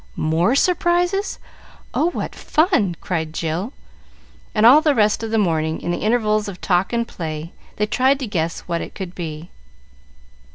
"More surprises! Oh, what fun!" cried Jill. And all the rest of the morning, in the intervals of talk and play, they tried to guess what it could be.